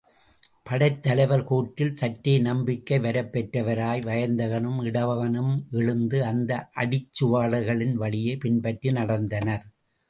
படைத் தலைவர் கூற்றில் சற்றே நம்பிக்கை வரப்பெற்றவராய் வயந்தகனும் இடவகனும் எழுந்து அந்த அடிச்சுவடுகளின் வழியே பின்பற்றி நடந்தனர்.